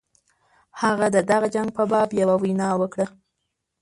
هغه د دغه جنګ په باب یوه وینا وکړه.